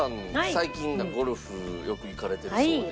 最近なんかゴルフよく行かれてるそうで。